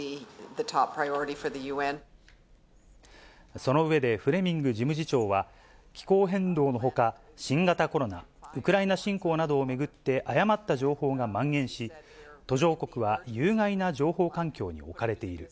その上で、フレミング事務次長は、気候変動のほか、新型コロナ、ウクライナ侵攻などを巡って誤った情報がまん延し、途上国は有害な情報環境に置かれている。